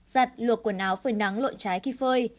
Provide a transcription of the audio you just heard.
giặt luộc quần áo phơi nắng lộn trái khi phơi